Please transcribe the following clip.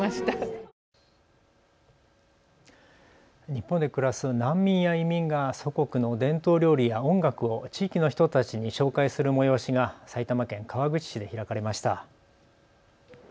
日本で暮らす難民や移民が祖国の伝統料理や音楽を地域の人たちに紹介する催しが埼玉県川口市で開かれました。